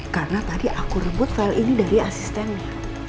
karena tadi aku rebut file ini dari asistennya